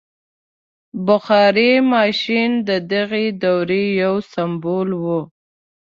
• بخار ماشین د دغې دورې یو سمبول و.